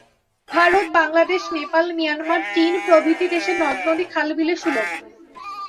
Bharat, Bangladesh, Nepal, Myanmar, চীন, প্রভৃতি দেশের নদ-নদী, খাল-বিলে সুলভ।